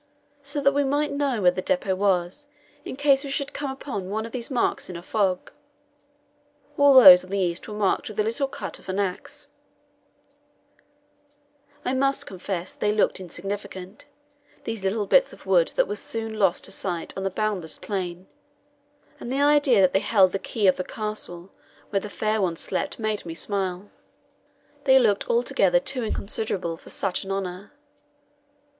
So that we might know where the depot was, in case we should come upon one of these marks in a fog, all those on the east were marked with a little cut of an axe. I must confess they looked insignificant, these little bits of wood that were soon lost to sight on the boundless plain, and the idea that they held the key of the castle where the fair one slept made me smile. They looked altogether too inconsiderable for such an honour.